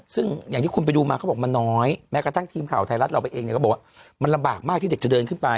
ซึ่งอย่างที่คุณไปดูมาเขาบอกมันน้อยแม้กระทั่งทีมข่าวไทยรัฐเราไปเองเนี่ยก็บอกว่ามันลำบากมากที่เด็กจะเดินขึ้นไป